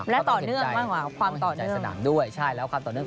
และต่อเนื่องบ้างว่าความต่อเนื่อง